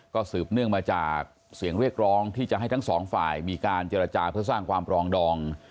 ก็สืบเนื่องมาจากเสียงเรียกร้องที่จะให้ทั้งสองฝ่ายมีการเจรจาเพื่อสร้างความปรองดอง